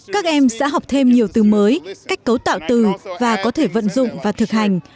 các em sẽ học thêm nhiều từ mới cách cấu tạo từ và có thể vận dụng và thực hành